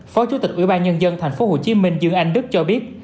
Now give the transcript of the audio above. phó chủ tịch ủy ban nhân dân tp hcm dương anh đức cho biết